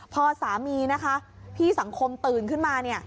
พอสามีนะคะพี่สังคมตื่นขึ้นมาเนี่ย